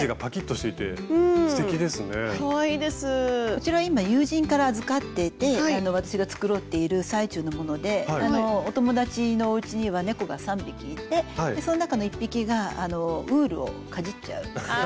こちら今友人から預かってて私が繕っている最中のものでお友達のおうちには猫が３匹いてその中の１匹がウールをかじっちゃう。